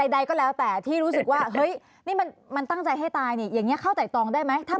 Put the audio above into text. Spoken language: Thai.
ใดก็แล้วแต่ที่รู้สึกว่าเฮ้ยนี่มันตั้งใจให้ตายเนี่ยอย่างนี้เข้าใจตองได้ไหม